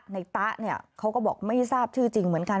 ตะเนี่ยเขาก็บอกไม่ทราบชื่อจริงเหมือนกัน